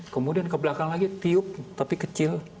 kemudian ke belakang lagi tiup tapi kecil